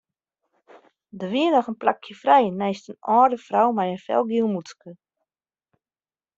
Der wie noch in plakje frij neist in âlde frou mei in felgiel mûtske.